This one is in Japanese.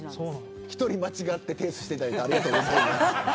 １人間違って提出していただいてありがとうございます。